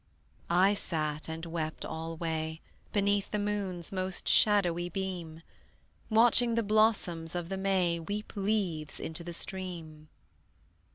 I sat and wept alway Beneath the moon's most shadowy beam, Watching the blossoms of the May Weep leaves into the stream.